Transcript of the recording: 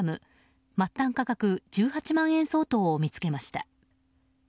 末端価格１８万円相当を見つけました。